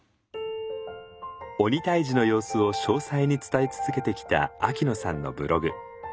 鬼退治の様子を詳細に伝え続けてきた秋野さんのブログ。